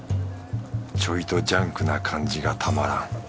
ちょいとジャンクな感じがたまらん。